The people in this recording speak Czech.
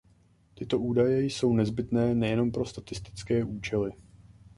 Tyto údaje jsou nezbytné nejenom pro statistické účely.